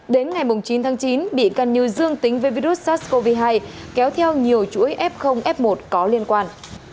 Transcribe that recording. đến ngày chín tháng chín bị căn như dương tính với virus sars cov hai kéo theo nhiều chuỗi f f một có liên quan